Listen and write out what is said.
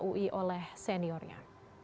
ui oleh seniornya